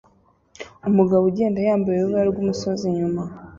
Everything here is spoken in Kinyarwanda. Umugabo ugenda yambaye urubura rwumusozi inyuma